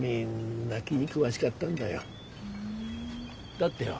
だってよ